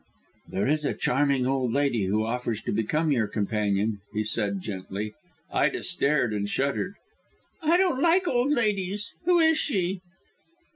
"There is a charming old lady who offers to become your companion," he said gently. Ida stared and shuddered. "I don't like old ladies. Who is she?"